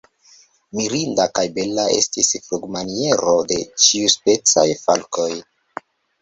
Mirinda kaj bela estis flugmaniero de ĉiuspecaj falkoj.